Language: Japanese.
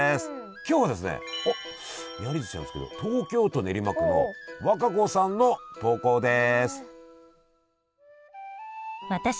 今日はですねおっめはりずしなんですけど東京都練馬区の和歌子さんの投稿です。